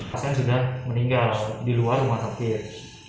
pasien sudah meninggal di luar rumah sakit